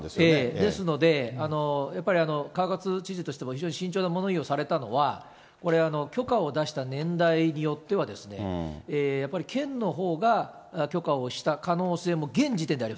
ですので、やっぱり川勝知事としても、非常に慎重な物言いをされたのは、これ、許可を出した年代によっては、やっぱり県のほうが、許可をした可能性も現時点ではある。